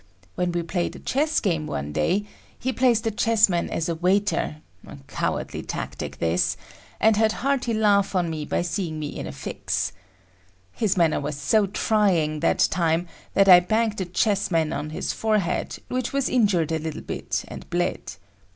When we played a chess game one day, he placed a chessman as a "waiter,"—a cowardly tactic this,—and had hearty laugh on me by seeing me in a fix. His manner was so trying that time that I banged a chessman on his forehead which was injured a little bit and bled.